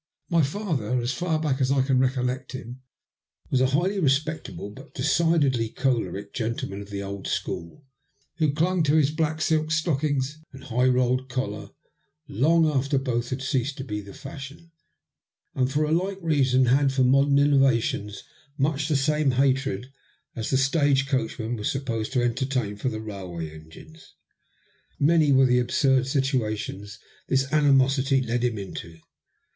My father, as far back as I can recollect him, was a highly respectable, but decidedly choleric, gentle man of the old school, who clung to his black silk stock and high rolled collar long after both had ceased to be the fashion, and for a like reason had for modem innovations much the same hatred as the stage coachman was supposed to entertain for railway engines. Many were the absurd situations this ani mosity led him into.